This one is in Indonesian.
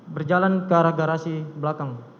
berjalan ke arah garasi belakang